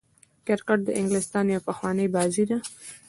کرکټ د انګلستان يوه پخوانۍ بازي ده.